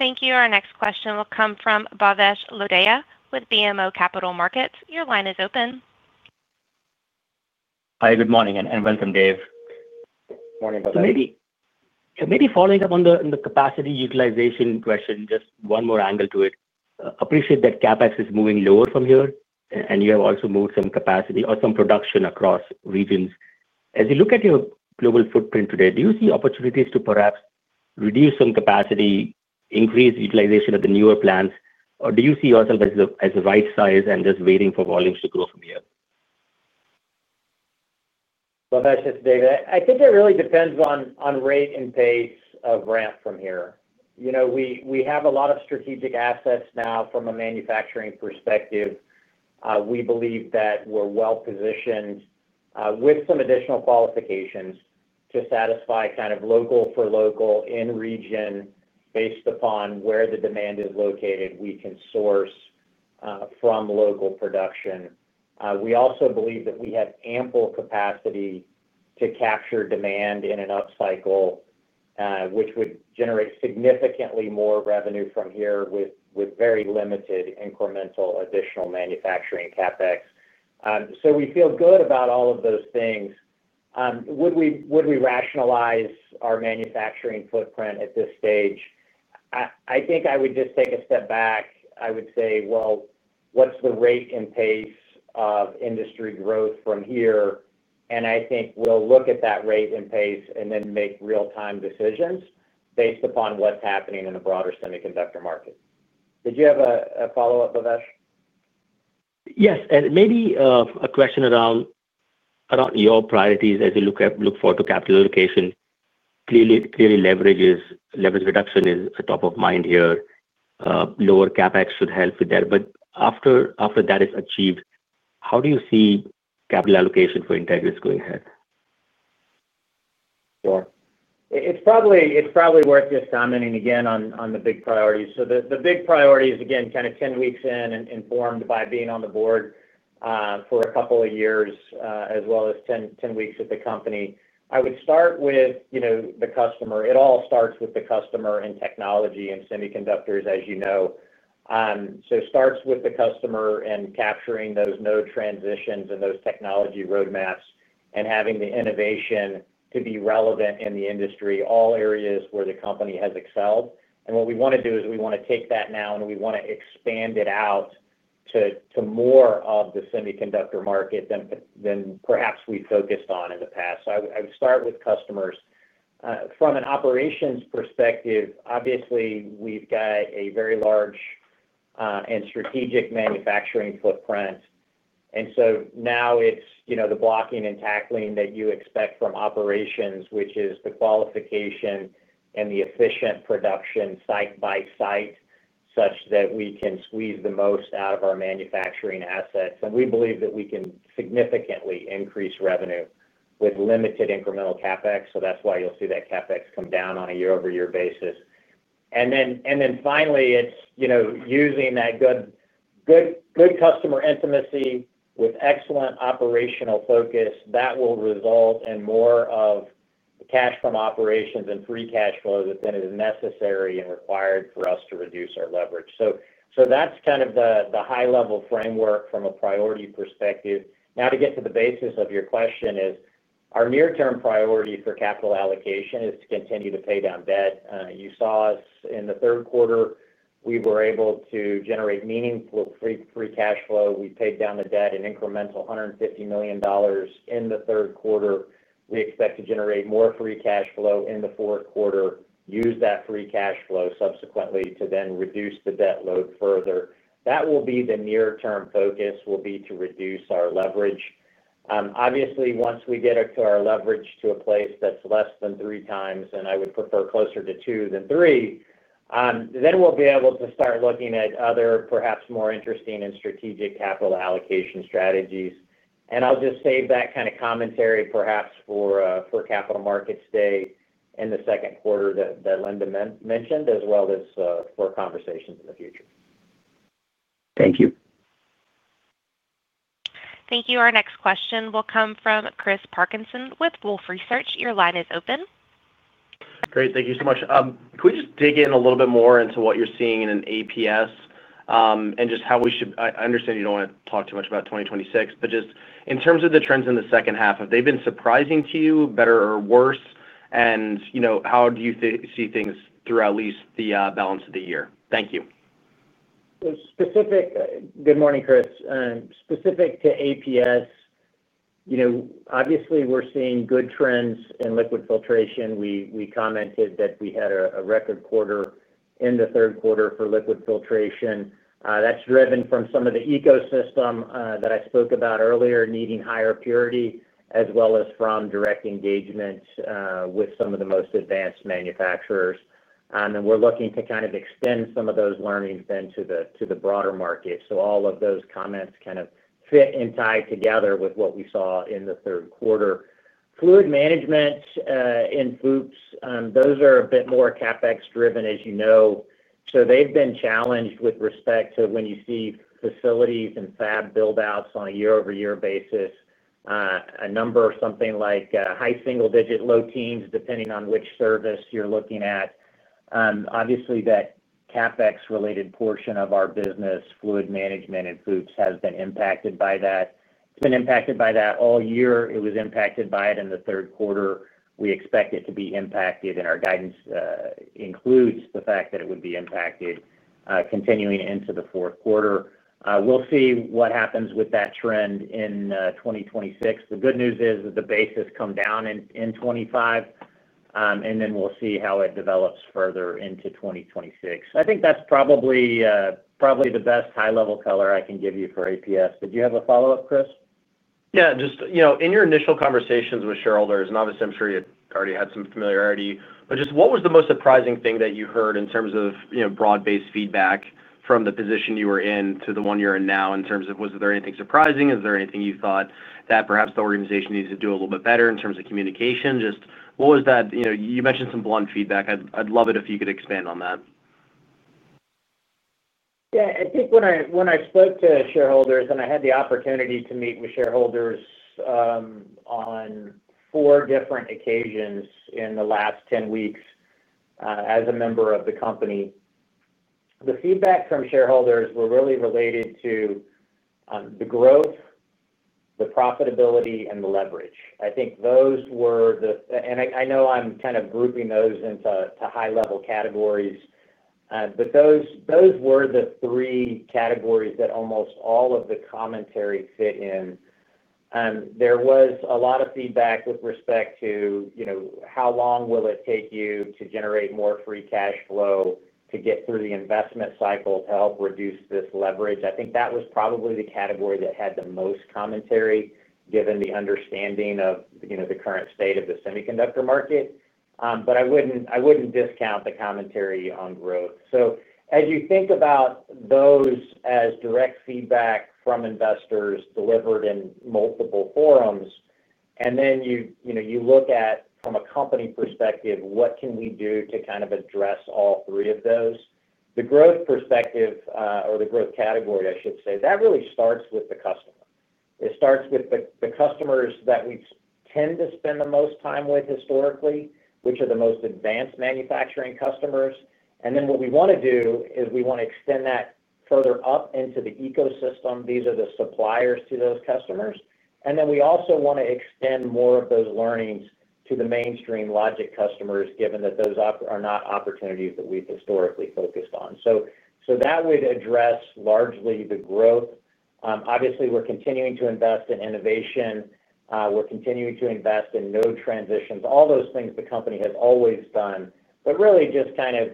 Thank you. Our next question will come from Bhavesh Lodaya with BMO Capital Markets. Your line is open. Hi, good morning and welcome Dave. Morning. Maybe following up on the capacity utilization question, just one more angle to it. Appreciate that CapEx is moving lower from here and you have also moved some capacity or some production across regions. As you look at your global footprint today, do you see opportunities to perhaps reduce some capacity, increase utilization of the newer plants, or do you see yourself as the right size and just waiting for volumes to grow from here? Bhavesh, it's David here. I think it really depends on rate and pace of ramp from here. We have a lot of strategic assets now from a manufacturing perspective. We believe that we're well positioned with some additional qualifications to satisfy kind of local-for-local in region based upon where the demand is located. We can source from local production. We also believe that we have ample capacity to capture demand in an upcycle, which would generate significantly more revenue from here with very limited incremental additional manufacturing CapEx. We feel good about all of those things. Would we rationalize our manufacturing footprint at this stage? I would just take a step back. I would say what's the rate and pace of industry growth from here, and I think we'll look at that rate and pace and then make real-time decisions based upon what's happening in the broader semiconductor market. Did you have a follow up Bhavesh? Yes. And maybe a question around your priorities as you look forward to capital allocation. Clearly leverage reduction is top of mind here. Lower CapEx should help with that. After that is achieved, how do you see capital allocation for Entegris going ahead? Sure, it's probably worth just commenting again on the big priorities. The big priority is again kind of 10 weeks in and informed by being on the board for a couple of years as well as 10 weeks at the company. I would start with the customer. It all starts with the customer and technology and semiconductors as you know, so starts with the customer and capturing those node transitions and those technology roadmaps and having the innovation to be relevant in the industry. All areas where the company has excelled. What we want to do is we want to take that now and we want to expand it out to more of the semiconductor market than perhaps we focused on in the past. I would start with customers. From an operations perspective, obviously we've got a very large and strategic manufacturing footprint, and now it's the blocking and tackling that you expect from operations, which is the qualification and the efficient production site by site such that we can squeeze the most out of our manufacturing assets. We believe that we can significantly increase revenue with limited incremental CapEx. That's why you'll see that CapEx come down on a year-over-year basis. Finally, it's using that good customer intimacy with excellent operational focus that will result in more cash from operations and free cash flow that is necessary and required for us to reduce our leverage. That's kind of the high-level framework from a priority perspective. Now to get to the basis of your question, our near-term priority for capital allocation is to continue to pay down debt. You saw us in the third quarter; we were able to generate meaningful free cash flow. We paid down the debt, an incremental $150 million in the third quarter. We expect to generate more free cash flow in the fourth quarter and use that free cash flow subsequently to then reduce the debt load further. The near-term focus will be to reduce our leverage. Obviously, once we get our leverage to a place that's less than 3x, and I would prefer closer to 2x than 3x, then we'll be able to start looking at other, perhaps more interesting and strategic capital allocation strategies. I'll just save that kind of commentary perhaps for Capital Markets Day in the second quarter that Linda mentioned, as well as for conversations in the future. Thank you. Thank you. Our next question will come from Chris Parkinson with Wolfe Research. Your line is open. Great, thank you so much. Could we just dig in a little bit more into what you're seeing in APS and just how we should, I understand you don't want to talk too much about 2026, but just in terms of the trends in the second half, have they been surprising to you? Better or worse, and how do you see things through at least the balance of the year? Thank you. Good morning, Chris. Specific to APS, we're seeing good trends in liquid filtration. We commented that we had a record quarter in the third quarter for liquid filtration. That's driven from some of the ecosystem that I spoke about earlier needing higher purity as well as from direct engagement with some of the most advanced manufacturers. We're looking to extend some of those learnings to the broader market. All of those comments fit and tie together with what we saw in the third quarter. Fluid management in FOUPs, those are a bit more CapEx-driven as you know. They've been challenged with respect to when you see facilities and fab build outs on a year-over-year basis. A number something like high single digit, low teens depending on which service you're looking at. Obviously, that CapEx related portion of our business, fluid management and FOUPs, has been impacted by that. It's been impacted by that all year. It was impacted by it in the third quarter. We expect it to be impacted, and our guidance includes the fact that it would be impacted continuing into the fourth quarter. We'll see what happens with that trend in 2026. The good news is that the basis comes down in 2025, and then we'll see how it develops further into 2026. I think that's probably the best high-level color I can give you for APS. Did you have a follow up, Chris? Yeah, just in your initial conversations with shareholders, and obviously I'm sure you already had some familiarity, but just what was the most surprising thing that you heard in terms of broad-based feedback from the position you were in to the one you're in now? Was there anything surprising? Is there anything you thought that perhaps the organization needs to do a little bit better in terms of communication? Just what was that you mentioned? Some blunt feedback. I'd love it if you could expand on that. Yeah, I think when I spoke to shareholders and I had the opportunity to meet with shareholders on four different occasions in the last 10 weeks as a member of the company, the feedback from shareholders was really related to the growth, the profitability, and the leverage. I think those were the, and I know I'm kind of grouping those into high-level categories, but those were the three categories that almost all of the commentary fit in. There was a lot of feedback with respect to how long will it take you to generate more free cash flow to get through the investment cycle to help reduce this leverage. I think that was probably the category that had the most commentary given the understanding of the current state of the semiconductor market. I wouldn't discount the commentary on growth. As you think about those as direct feedback from investors delivered in multiple forums and then you look at from a company perspective, what can we do to kind of address all three of those? The growth perspective or the growth category, I should say, that really starts with the customer. It starts with the customers that we tend to spend the most time with historically, which are the most advanced manufacturing customers. What we want to do is we want to extend that further up into the ecosystem. These are the suppliers to those customers. We also want to extend more of those learnings to the mainstream logic customers, given that those are not opportunities that we've historically focused on. That would address largely the growth. Obviously, we're continuing to invest in innovation, we're continuing to invest in node transitions, all those things the company has always done, but really just kind of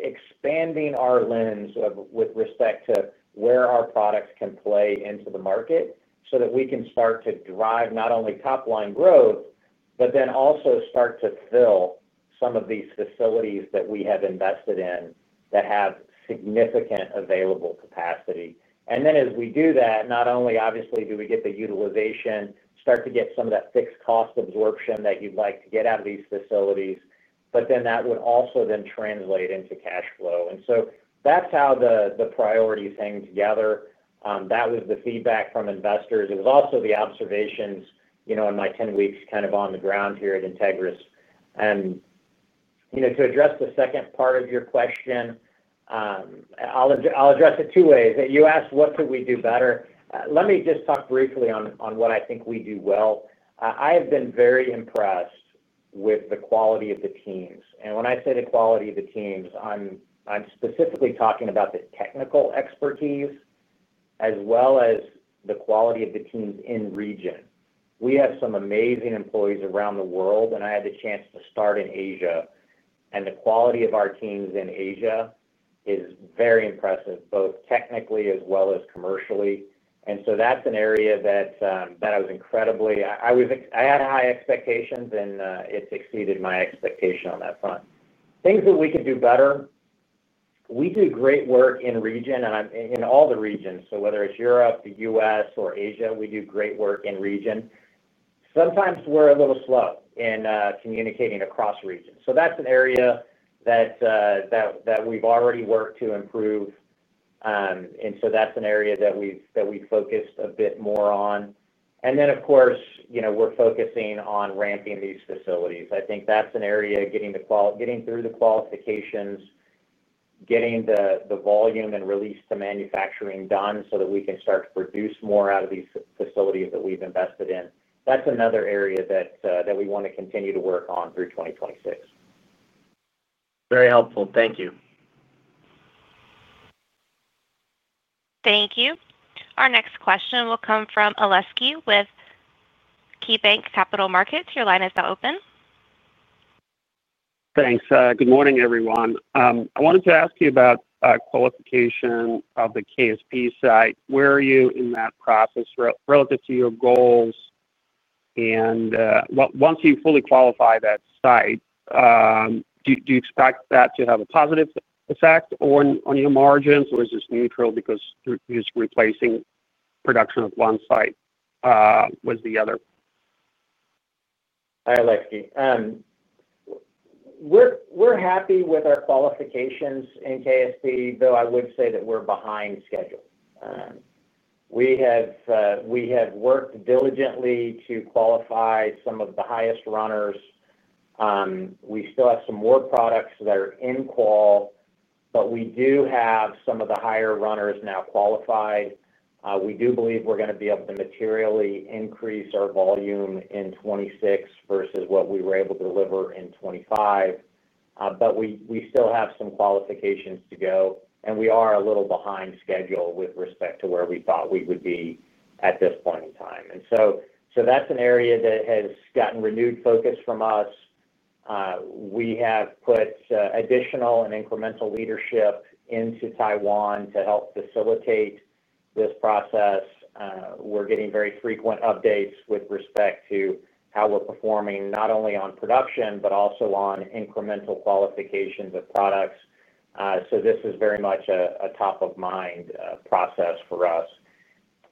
expanding our lens with respect to where our products can play into the market so that we can start to drive not only top-line growth, but then also start to fill some of these facilities that we have invested in that have significant available capacity. As we do that, not only obviously do we get the utilization, start to get some of that fixed cost absorption that you'd like to get out of these facilities, but that would also then translate into cash flow. That's how the priorities hang together. That was the feedback from investors. It was also the observations in my 10 weeks kind of on the ground here at Entegris. To address the second part of your question, I'll address it two ways. You asked what could we do better? Let me just talk briefly on what I think we do well. I have been very impressed with the quality of the teams, and when I say the quality of the teams, I'm specifically talking about the technical expertise as well as the quality of the teams in region. We have some amazing employees around the world, and I had the chance to start in Asia, and the quality of our teams in Asia is very impressive, both technically as well as commercially. That's an area that I was incredibly, I had high expectations, and it exceeded my expectation on that front. Things that we could do better. We do great work in region in all the regions. Whether it's Europe, the U.S., or Asia, we do great work in region. Sometimes we're a little slow in communicating across regions. That's an area that we've already worked to improve, and that's an area that we focused a bit more on. Of course, we're focusing on ramping these facilities. I think that's an area, getting through the qualifications, getting the volume and release to manufacturing done so that we can start to produce more out of these facilities that we've invested in. That's another area that we want to continue to work on through 2026. Very helpful. Thank you. Thank you. Our next question will come from [Alexey] with KeyBanc Capital Markets. Your line is now open. Thanks. Good morning everyone. I wanted to ask you about qualification of the KSP South site. Where are you in that process relative to your goals and once you fully qualify that site, do you expect that to have a positive effect on your margins or is this neutral because you're just replacing production of one site with the other? Hi [Alexey]. We're happy with our qualifications in KSP South, though I would say that we're behind schedule. We have worked diligently to qualify some of the highest runners. We still have some more products that are in qual, but we do have some of the higher runners now qualified. We do believe we're going to be able to materially increase our volume in 2026 versus what we were able to deliver in 2025. We still have some qualifications to go and we are a little behind schedule with respect to where we thought we would be at this point in time. That is an area that has gotten renewed focus from us. We have put additional and incremental leadership into Taiwan to help facilitate this process. We're getting very frequent updates with respect to how we're performing not only on production but also on incremental qualifications of products. This is very much a top of mind process for us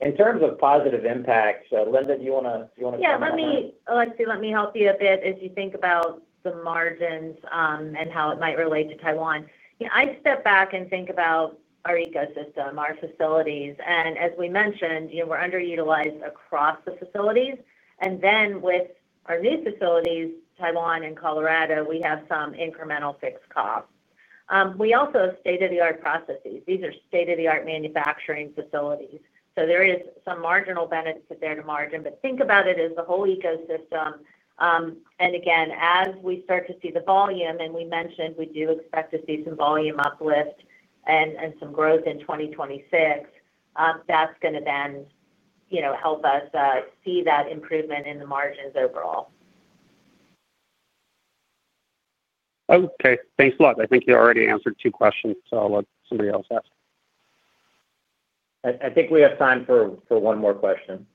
in terms of positive impacts. Linda, do you want to. Yeah. Alexi, let me help you a bit. As you think about the margins and how it might relate to Taiwan, I step back and think about our ecosystem, our facilities, and as we mentioned, we're underutilized across the facilities. With our new facilities, Taiwan and Colorado, we have some incremental fixed costs. We also have state-of-the-art processes. These are state-of-the-art manufacturing facilities. There is some marginal benefit there to margin. Think about it as the whole ecosystem. As we start to see the volume, and we mentioned we do expect to see some volume uplift and some growth in 2026, that's going to then help us see that improvement in the margins overall. Okay, thanks a lot. I think you already answered two questions. Somebody else asks. I think we have time for one more question.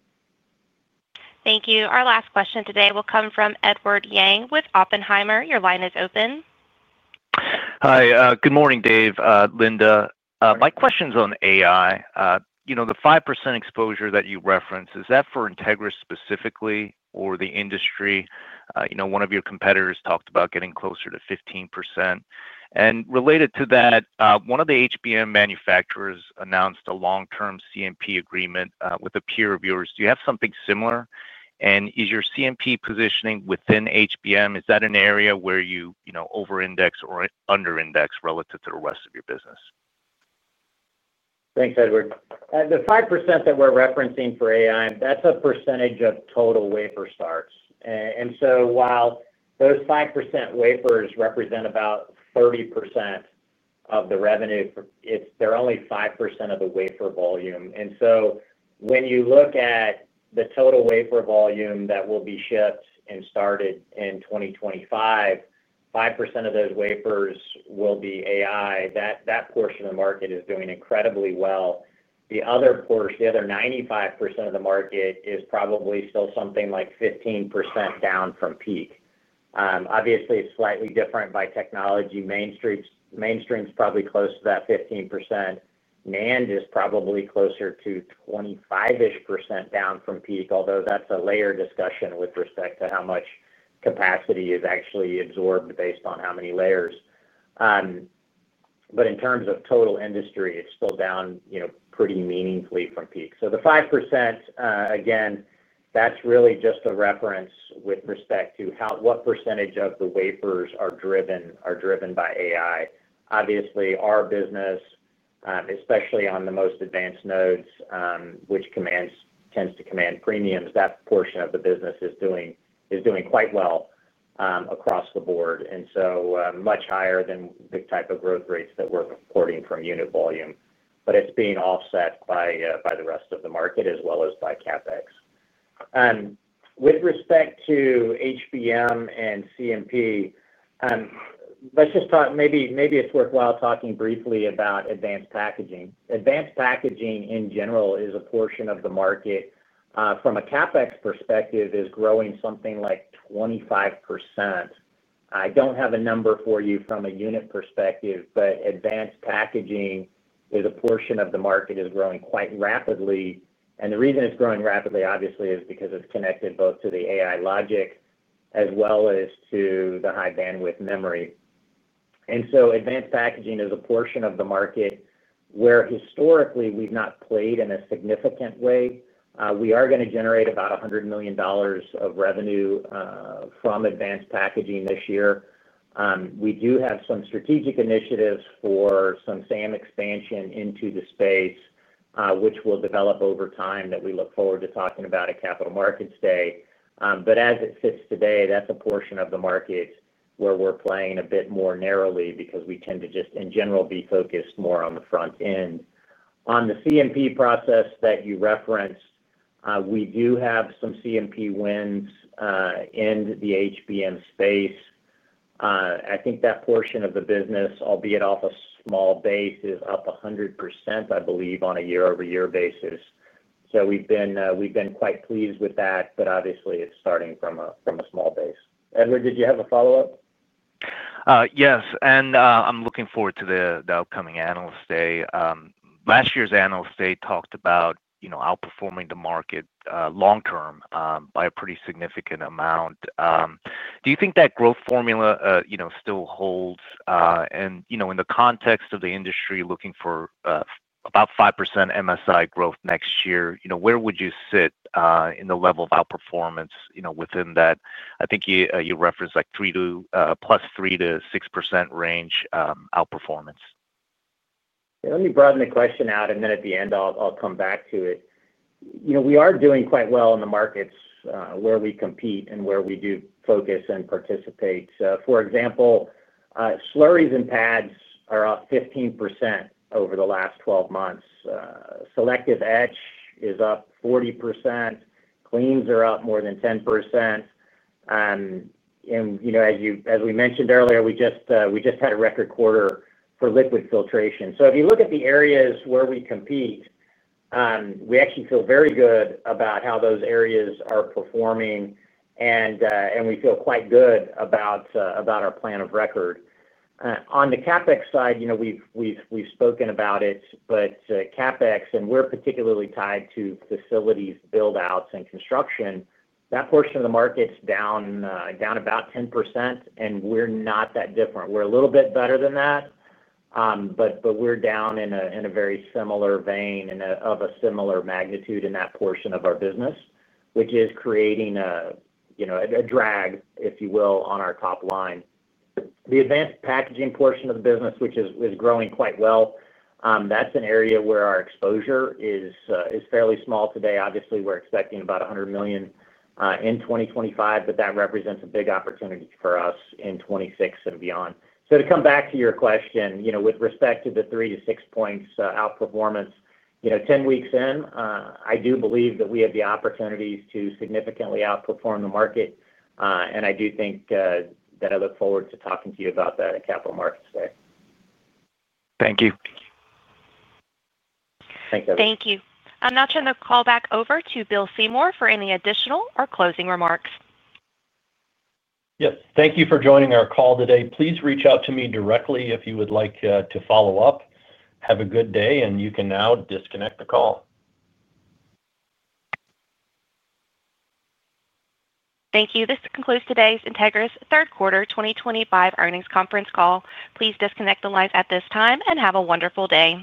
Thank you. Our last question today will come from Edward Yang with Oppenheimer. Your line is open. Hi, good morning Dave. Linda, my question's on AI. You know the 5% exposure that you referenced, is that for Entegris specifically or the industry? You know, one of your competitors talked about getting closer to 15% and related to that, one of the HBM manufacturers announced a long-term CMP agreement with a peer review. Do you have something similar and is your CMP positioning within HBM? Is that an area where you over index or under index relative to the rest of your business? Thanks, Edward. The 5% that we're referencing for AI, that's a percentage of total wafer starts. While those 5% wafers represent about 30% of the revenue, they're only 5% of the wafer volume. When you look at the total wafer volume that will be shipped and started in 2025, 5% of those wafers will be AI. That portion of the market is doing incredibly well. The other portion, the other 95% of the market, is probably still something like 15% down from peak. Obviously, it's slightly different by technology. Mainstream is probably close to that 15%. NAND is probably closer to 25-ish percent down from peak, although that's a layer discussion with respect to how much capacity is actually absorbed based on how many layers. In terms of total industry, it's still down pretty meaningfully from peak. The 5%, again, that's really just a reference with respect to what percentage of the wafers are driven by AI. Obviously, our business, especially on the most advanced nodes, which tends to command premiums, that portion of the business is doing quite well across the board and much higher than the type of growth rates that we're importing from Univolt. It's being offset by the rest of the market as well as by CapEx. With respect to HBM and CMP, maybe it's worthwhile talking briefly about advanced packaging. Advanced packaging in general is a portion of the market from a CapEx perspective that is growing something like 25%. I don't have a number for you from a unit perspective, but advanced packaging as a portion of the market is growing quite rapidly. The reason it's growing rapidly is because it's connected both to the AI logic as well as to the high bandwidth memory. Advanced packaging is a portion of the market where historically we've not played in a significant way. We are going to generate about $100 million of revenue from advanced packaging this year. We do have some strategic initiatives for some SAM expansion into the space which will develop over time that we look forward to talking about at Capital Markets Day. As it sits today, that's a portion of the market where we're playing a bit more narrowly because we tend to just in general be focused more on the front end. On the CMP process that you referenced. We do have some CMP wins in the HBM space. I think that portion of the business, albeit off a small base, is up 100%, I believe, on a year-over-year basis. We've been quite pleased with that, but obviously it's starting from a small base. Edward, did you have a follow up? Yes, I'm looking forward to the upcoming analyst day. Last year's analyst day talked about, you know, outperforming the market long-term by a pretty significant amount. Do you think that growth formula still holds? In the context of the industry looking for about 5% MSI growth next year, where would you sit in the level of outperformance? Within that, I think you referenced like +3%-6% range outperformance. Let me broaden the question out and then at the end I'll come back to it. You know, we are doing quite well in the markets where we compete and where we do focus and participate. For example, slurries and pads are up 15% over the last 12 months. Selective etch is up 40%. Cleans are up more than 10%. As we mentioned earlier, we just had a record quarter for liquid filtration. If you look at the areas where we compete, we actually feel very good about how those areas are performing and we feel quite good about our plan of record. On the CapEx side, we've spoken about it, but CapEx and we're particularly tied to facilities build outs and construction. That portion of the market's down about 10% and we're not that different. We're a little bit better than that, but we're down in a very similar vein of a similar magnitude in that portion of our business, which is creating a drag, if you will, on our top line. The advanced packaging portion of the business, which is growing quite well, that's an area where our exposure is fairly small today. Obviously we're expecting about $100 million in 2025, but that represents a big opportunity for us in 2026 and beyond. To come back to your question, with respect to the three to six points outperformance, 10 weeks in, I do believe that we have the opportunities to significantly outperform the market. I do think that I look forward to talking to you about that at Capital Markets Day. Thank you. Thank you. I'll now turn the call back over to Bill Seymour for any additional or closing remarks. Yes, thank you for joining our call today. Please reach out to me directly if you would like to follow up. Have a good day. You can now disconnect the call. Thank you. This concludes today's Entegris third quarter 2025 earnings conference call. Please disconnect the lines at this time and have a wonderful day.